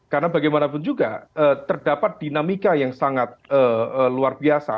karena bagaimanapun juga terdapat dinamika yang sangat luar biasa